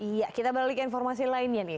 iya kita beralih ke informasi lainnya nih